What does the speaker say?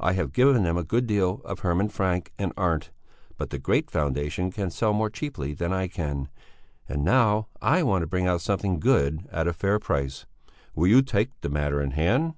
I have given them a good deal of Hermann Francke and Arndt, but the great Foundation can sell more cheaply than I can, and now I want to bring out something good at a fair price. Will you take the matter in hand?"